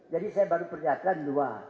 jadi saya baru pernihatkan dua